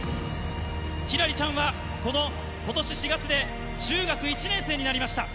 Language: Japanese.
輝星ちゃんはことし４月で中学１年生になりました。